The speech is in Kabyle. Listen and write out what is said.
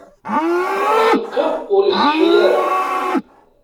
Cukkeɣ ur iṣeḥḥi ara.